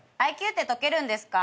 ＩＱってとけるんですか？